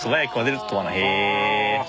へえ。